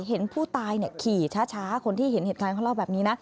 เห็นผู้ตายขี่ช้าคนที่เห็นเหตุการณ์เขาเล่าแบบนี้นะ